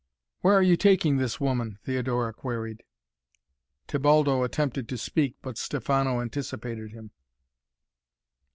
"Where are you taking this woman?" Theodora queried. Tebaldo attempted to speak, but Stefano anticipated him.